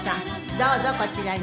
どうぞこちらに。